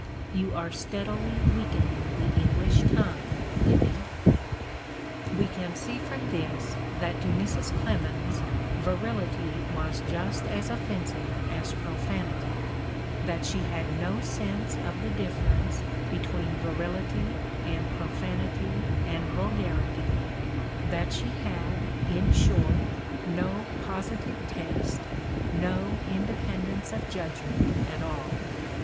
You are steadily weakening the English tongue, Livy. We can see from this that to Mrs. Clemens virility was just as offensive as profanity, that she had no sense of the difference between virility and profanity and vul garity, that she had, in short, no positive taste, no in dependence of judgment at all.